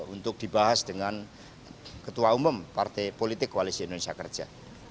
untuk dibahas dengan ketua umum partai politik koalisi indonesia kerja